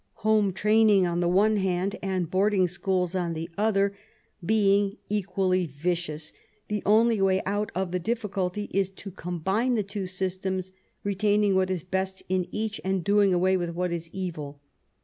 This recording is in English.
Home training on the one hand, and boarding schools on the other, being equally vicious, the only way out of the difficulty is to combine the two systems, retaining what is best in each, and doing away with what is evil.